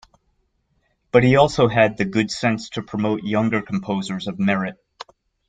But he also had the good sense to promote younger composers of merit.